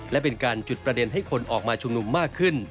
และเป็นการจุดประเด็นให้คนออกมาชุมนุมมากขึ้น